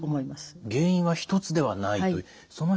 原因は一つではないという。